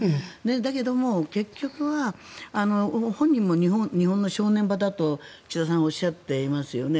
だけども、結局は本人も日本の正念場だと岸田さんはおっしゃっていますよね。